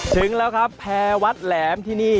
ถึงแล้วครับแพร่วัดแหลมที่นี่